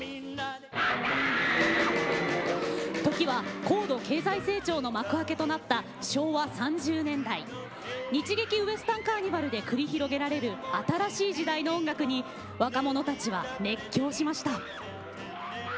時は高度経済成長の幕開けとなった日劇ウエスタンカーニバルで繰り広げられる新しい時代の音楽に若者たちは熱狂しました。